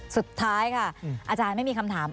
สุดท้ายค่ะอาจารย์ไม่มีคำถาม